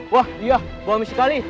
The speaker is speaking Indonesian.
wah iya bau amis sekali